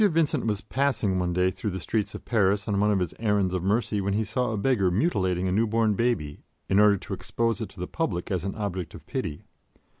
VINCENT was passing one day through the streets of Paris on one of his errands of mercy when he saw a beggar mutilating a newborn baby in order to expose it to the public as an object of pity.